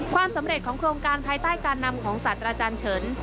ความสำเร็จของโครงการภายใต้การนำของสัตว์อาจารย์เฉิน